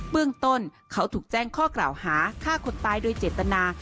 เบื้องต้นเขาถูกแจ้งข้อกล่าวหาฆ่าคนตายโดยเจตนา